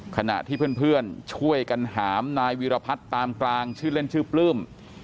ขณะที่เพื่อนช่วยกันหามนายวีรพัฒน์ตามกลางชื่อเล่นชื่อปลื้ม